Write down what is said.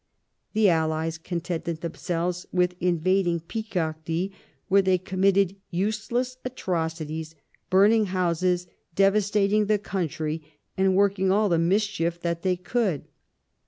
The allies contented themselves with in vading Picardy, where they committed useless atrocities, burning houses, devastating the country, and working all the mischief that they could.